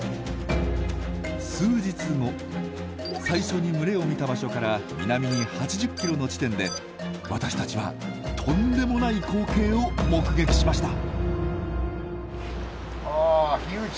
最初に群れを見た場所から南に８０キロの地点で私たちはとんでもない光景を目撃しました。